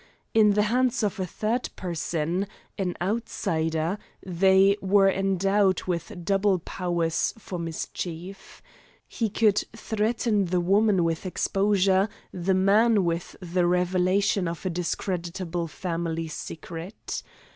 In the hands of a third person, an outsider, they were endowed with double powers for mischief. He could threaten the woman with exposure, the man with the revelation of a discreditable family secret.